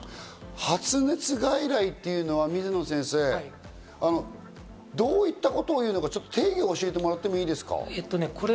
発熱外来というのは水野先生、どういったことを言うのか、定義を教えてもらっていいですか？